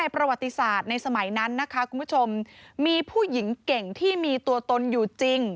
ประวัติศาสตร์ในสมัยนั้นนะคะคุณผู้ชมมีผู้หญิงเก่งที่มีตัวตนอยู่จริง